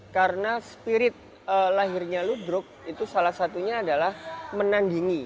karena spirit lahirnya ludruk itu salah satunya adalah menandingi